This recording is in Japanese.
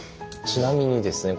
ちなみにですね